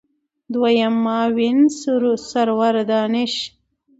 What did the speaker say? دویم معاون سرور دانش